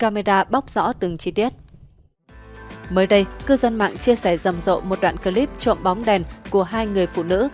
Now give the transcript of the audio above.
mới đây cư dân mạng chia sẻ rầm rộ một đoạn clip trộm bóng đèn của hai người phụ nữ